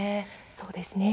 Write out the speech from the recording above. そうですね。